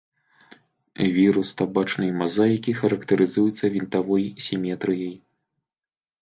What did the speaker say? Вірус табачнай мазаікі характарызуецца вінтавой сіметрыяй.